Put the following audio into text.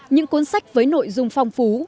những cuốn sách với nội dung phong phú